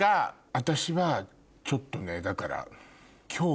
私はちょっとねだから。